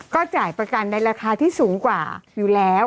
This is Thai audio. ก็จ่ายประกันในราคาที่สูงกว่าอยู่แล้ว